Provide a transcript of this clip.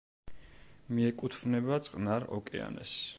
მიეკუთვნება წყნარ ოკეანეს.